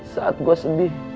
saat gua sedih